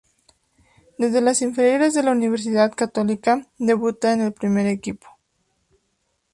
Desde las inferiores en la Universidad Católica, debuta en el primer equipo.